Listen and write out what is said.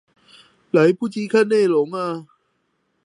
來不及看內容